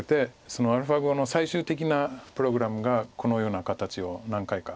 そのアルファ碁の最終的なプログラムがこのような形を何回か。